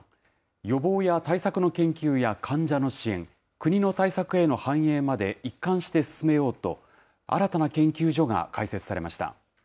予防や対策の研究や患者の支援、国の対策への反映まで一貫して進めようと、新たな研究所が開設されました。